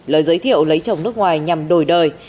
lời giới thiệu lấy chồng nước ngoài nhằm đổi đời